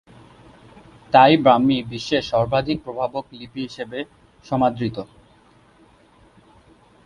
তাই ব্রাহ্মী বিশ্বের সর্বাধিক প্রভাবক লিপি হিসেবে সমাদৃত।